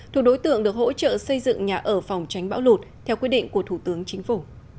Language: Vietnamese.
thuộc đối tượng được hỗ trợ xây dựng nhà ở phòng tránh bão lụt theo quyết định của thủ tướng chính phủ